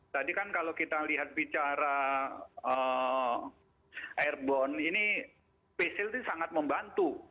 tadi kan kalau kita lihat bicara airbon pesil ini sangat membantu